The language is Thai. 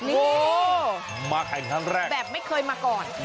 นี่มาแข่งครั้งแรกแบบไม่เคยมาก่อน